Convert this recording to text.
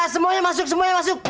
semuanya masuk semuanya masuk